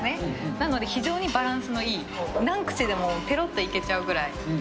なので非常にバランスのいい、何口でもぺろっといけちゃうぐらい。